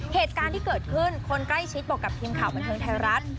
เหตุการณ์ที่เกิดขึ้นคนใกล้ชิดบอกกับทีมข่าวบันเทิงไทยรัฐ